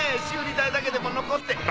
修理代だけでも残って。